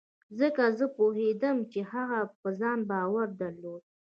ځکه زه پوهېدم چې هغه په ځان باور درلود.